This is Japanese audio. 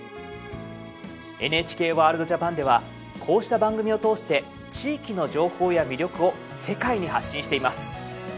ＮＨＫワールドＪＡＰＡＮではこうした番組を通して地域の情報や魅力を世界に発信しています。